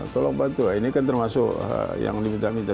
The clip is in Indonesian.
tolong bantu ini kan termasuk yang diminta minta